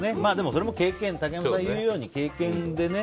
それも竹山さんが言うように経験でね。